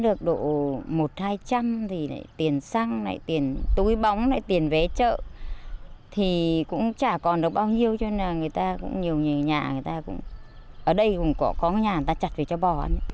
ở đây cũng có nhà người ta chặt để cho bò ăn